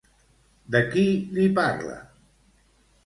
De qui li parla?